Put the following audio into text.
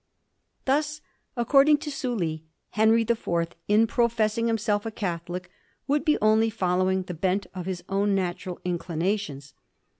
Thus, according to SuUy, Henry the Fourth in professing himself a Catholic would be only following the bent of his own natural inclinations.